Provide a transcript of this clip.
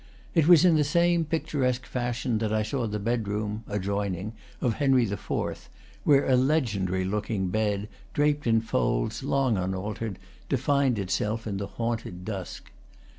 It was in the same pic turesque fashion that I saw the bedroom (adjoining) of Henry IV., where a legendary looking bed, draped in folds long unaltered, defined itself in the haunted dusk.